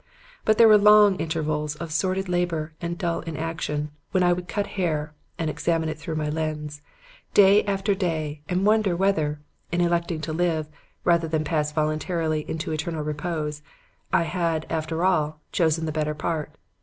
But there were long intervals of sordid labor and dull inaction when I would cut hair and examine it through my lens day after day and wonder whether, in electing to live, rather than pass voluntarily into eternal repose, I had, after all, chosen the better part.